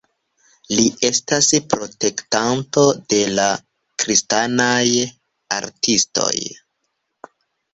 Li estas protektanto de la kristanaj artistoj.